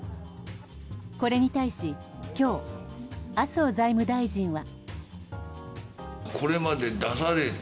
これに対し、今日麻生財務大臣は。